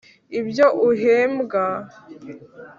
ibyo uhembwa